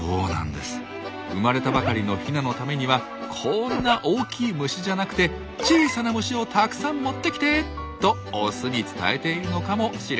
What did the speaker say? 生まれたばかりのヒナのためにはこんな大きい虫じゃなくて小さな虫をたくさん持ってきて！とオスに伝えているのかもしれないんです。